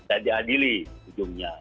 dan diadili ujungnya